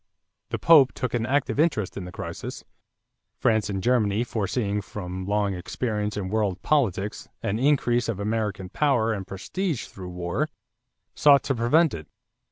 The Pope took an active interest in the crisis. France and Germany, foreseeing from long experience in world politics an increase of American power and prestige through war, sought to prevent it.